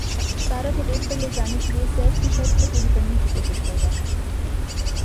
سارہ کو ڈیٹ پر لے جانے کیلئے سیف کی شرط پوری کرنے کی کوشش کررہا ہوں